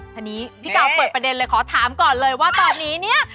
ทีนี้พี่กาวเปิดประเด็นเลยขอถามก่อนเลยว่าตอนนี้เนี่ย